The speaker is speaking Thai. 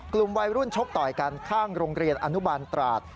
กลุ่มวัยรุ่นชกต่อยกันข้างโรงเรียนอนุบาลตราด